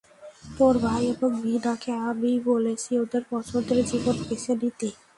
তোর ভাই এবং ভীনাকে আমিই বলেছি ওদের পছন্দের জীবন বেছে নিতে।